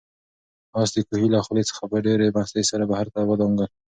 آس د کوهي له خولې څخه په ډېرې مستۍ سره بهر ته ودانګل.